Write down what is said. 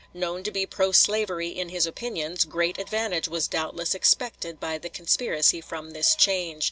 Known to be pro slavery in his opinions, great advantage was doubtless expected by the conspiracy from this change.